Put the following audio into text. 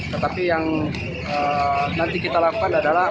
tetapi yang nanti kita lakukan adalah